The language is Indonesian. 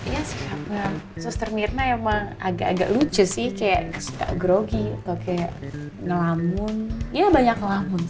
ya sih apa suster myrna emang agak agak lucu sih kayak suka grogi atau kayak ngelamun